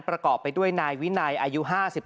ประกอบไปด้วยนายวินัยอายุ๕๓